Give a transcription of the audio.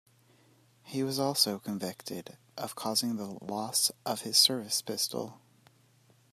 He was also convicted of causing the loss of his service pistol.